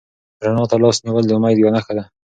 رڼا ته لاس نیول د امید یوه نښه ده.